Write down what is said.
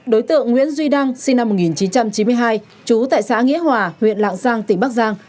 đối tượng nguyễn duy đăng sinh năm một nghìn chín trăm chín mươi hai trú tại xã nghĩa hòa huyện lạng giang tỉnh bắc giang